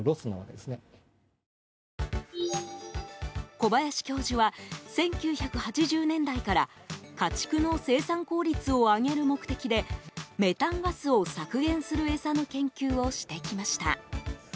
小林教授は１９８０年代から家畜の生産効率を上げる目的でメタンガスを削減する餌の研究をしてきました。